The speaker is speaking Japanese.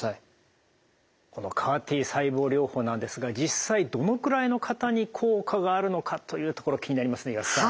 このＣＡＲ−Ｔ細胞療法なんですが実際どのくらいの方に効果があるのかというところ気になりますね岩田さん。